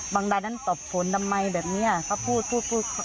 บางด้านนั้นตบผลทำไมแบบนี้เขาพูด